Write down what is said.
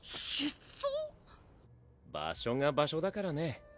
⁉場所が場所だからね